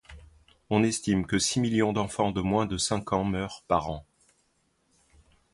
On estime que six millions d'enfants de moins de cinq ans meurent par an.